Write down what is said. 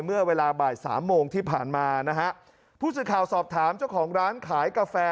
เมื่อเวลาบ่ายสามโมงที่ผ่านมานะฮะผู้สื่อข่าวสอบถามเจ้าของร้านขายกาแฟ